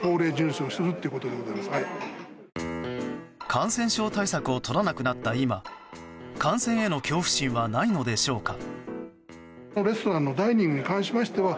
感染症対策を取らなくなった今感染への恐怖心はないのでしょうか。